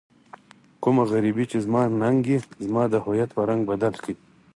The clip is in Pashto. کومه غريبي چې زما ننګ يې زما د هويت په رنګ بدل کړی.